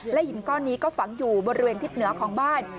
หินก้อนนี้ก็ฝังอยู่บริเวณทิศเหนือของบ้าน